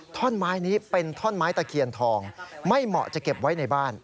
ท่อนไม้นี้เป็นท่อนไม้ตะเคียนทองไม่เหมาะจะเก็บไว้ในบ้าน